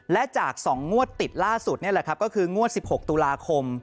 และจาก๒งวดติดล่าสุดนี่แหละครับก็คืองวด๑๖ตุลาคม